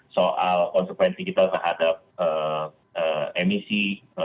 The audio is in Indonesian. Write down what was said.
soal konsekuensi kita terhadap emisi